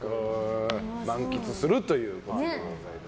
満喫するということでございます。